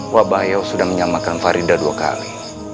wabahyo sudah menyamakan farida dua kali